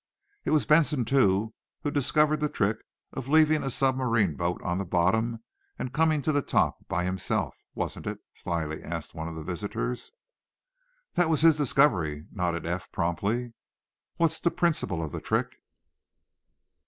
"It was Benson, too, who discovered the trick of leaving a submarine boat on the bottom, and coming to the top by himself, wasn't it?" slyly asked one of the visitors. "That was his discovery," nodded Eph, promptly. "What's the principle of the trick?"